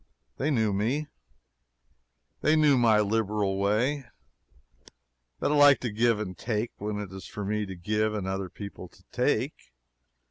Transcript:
They knew me. They knew my liberal way that I like to give and take when it is for me to give and other people to take.